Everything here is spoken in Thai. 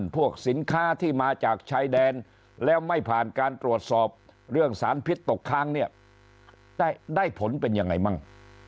พวกสินค้าที่มาจากชายแดนแล้วไม่ผ่านการตรวจสอบเรื่องสารพิษตกค้างเนี่ยได้ผลเป็นยังไงมั่ง